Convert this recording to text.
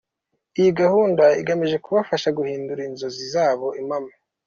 Iyi gahunda igamije kubafasha guhindura inzozi zabo impamo.